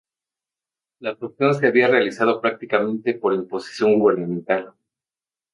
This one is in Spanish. La absorción se había realizado prácticamente por imposición gubernamental.